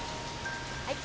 はい